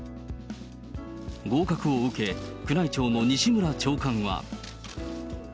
合格を受け、宮内庁の西村長官は。